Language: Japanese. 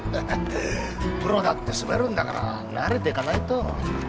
プロだってスベるんだから慣れていかないと。